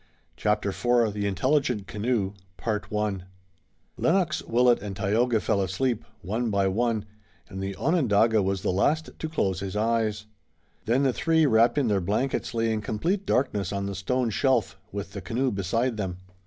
CHAPTER IV THE INTELLIGENT CANOE Lennox, Willet and Tayoga fell asleep, one by one, and the Onondaga was the last to close his eyes. Then the three, wrapped in their blankets, lay in complete darkness on the stone shelf, with the canoe beside them.